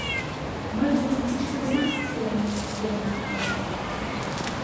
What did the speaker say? Мый тудым чӱчкыдынак кӧранен эскеренам.